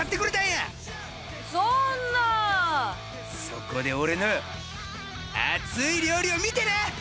そこで俺の熱い料理を見てな！